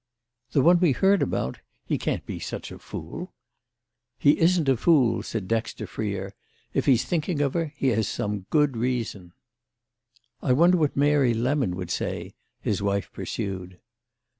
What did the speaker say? "The one we heard about? He can't be such a fool." "He isn't a fool," said Dexter Freer. "If he's thinking of her he has some good reason." "I wonder what Mary Lemon would say," his wife pursued.